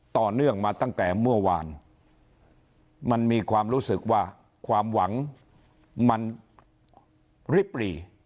ต่อเนื่องมาตั้งแต่เมื่อวานมันมีความรู้สึกว่าความหวังมันริบหรี่